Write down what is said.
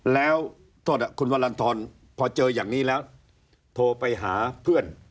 แล้วโทษคุณวรรณฑรพอเจออย่างนี้แล้วโทรไปหาเพื่อน